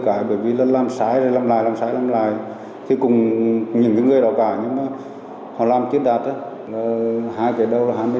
còn mà ý đó là thoại rồi thì sao rồi